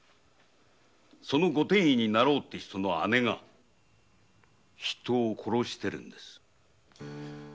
そのご典医になろうって人の姉が人を殺しているんですよ。